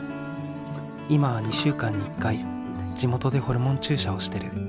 今は２週間に１回地元でホルモン注射をしてる。